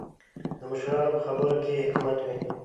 د مشرانو په خبرو کې حکمت وي.